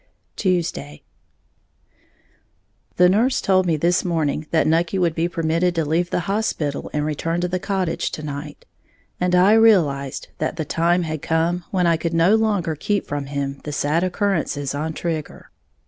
Tuesday. The nurse told me this morning that Nucky would be permitted to leave the hospital and return to the cottage to night; and I realized that the time had come when I could no longer keep from him the sad occurrences on Trigger.